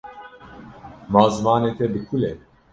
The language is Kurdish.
Ma zimanê te bi kul e.